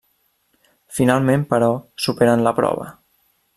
Finalment, però, superen la prova.